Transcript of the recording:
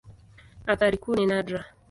Athari kuu ni nadra.